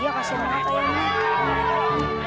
iya kasian banget ayamnya